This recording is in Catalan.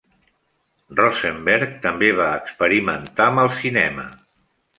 Rosenberg també va experimentar amb el cinema.